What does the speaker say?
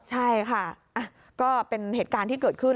ใช่ค่ะก็เป็นเหตุการณ์ที่เกิดขึ้น